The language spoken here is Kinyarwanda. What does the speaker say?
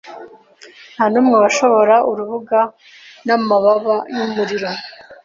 Ntanumwe washobora Urubuga namababa yumuriro